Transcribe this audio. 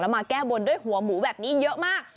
มาแก้บนด้วยหัวหมูแบบนี้เยอะมาก